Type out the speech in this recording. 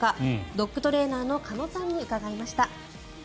ドッグトレーナーの鹿野さんに伺いました。